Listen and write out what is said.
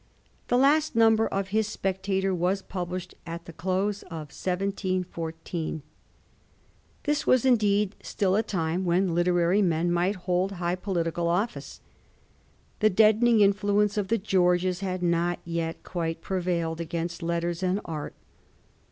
The last number of his Spectator was published at the close of 1714. This was indeed still a time when literary men might hold high political office. The deadening influence of the Greorges had not yet quite prevailed agamst letters and art.